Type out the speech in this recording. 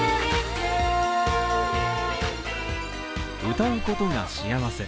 歌うことが幸せ。